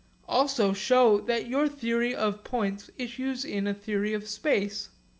Also show that your theory of points issues in a theory of space.